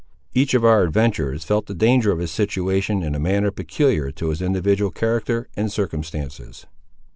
Each of our adventurers felt the danger of his situation in a manner peculiar to his individual character and circumstances.